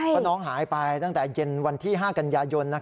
เพราะน้องหายไปตั้งแต่เย็นวันที่๕กันยายน